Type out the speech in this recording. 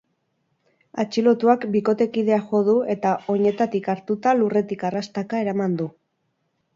Atxilotuak bikotekidea jo du eta oinetatik hartuta lurretik arrastaka eraman du.